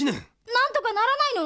なんとかならないの？